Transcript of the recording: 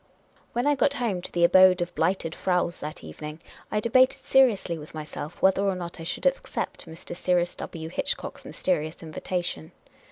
When I got home to the Abode of Blighted Fraus that evening, I debated seriously with myself whether or not I should accept Mr. Cyrus \V. Hitchcock's mysterious invita tion.